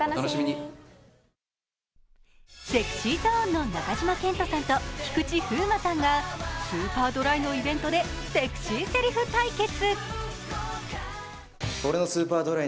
ＳｅｘｙＺｏｎｅの中島健人さんと菊池風磨さんがスーパードライのイベントでセクシーセリフ対決。